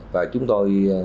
và chúng tôi